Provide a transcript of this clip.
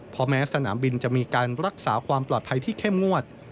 เพราะแม้สนามบินจะมีการรักษาความปลอดภัยที่เข้มงวด